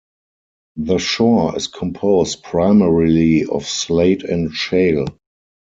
The shore is composed primarily of slate and shale.